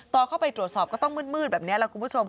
ตอนเข้าไปตรวจสอบก็ต้องมืดแบบนี้แหละคุณผู้ชม